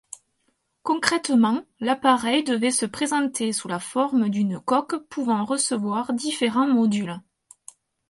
Concrètement, l'appareil devait se présenter sous la forme d'une coque pouvant recevoir différents modules.